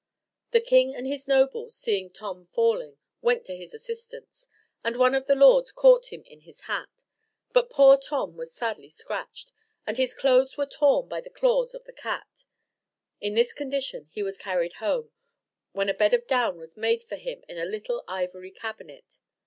The king and his nobles, seeing Tom falling, went to his assistance, and one of the lords caught him in his hat; but poor Tom was sadly scratched, and his clothes were torn by the claws of the cat. In this condition he was carried home, when a bed of down was made for him in a little ivory cabinet.